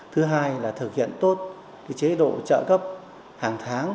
thứ hai là thực hiện tốt chế độ trợ cấp hàng tháng